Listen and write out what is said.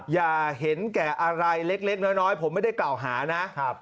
อย่าเห็นแก่อะไรเล็กน้อยผมไม่ได้กล่าวหานะ